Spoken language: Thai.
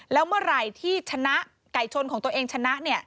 แล้วเมื่อไหร่ที่ชนะไก่ชนของตัวเองชนะ